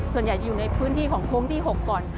ส่วนใหญ่จะอยู่ในพื้นที่ของโค้งที่๖ก่อน